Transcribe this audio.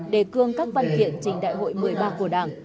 đề cương các văn kiện trình đại hội một mươi ba của đảng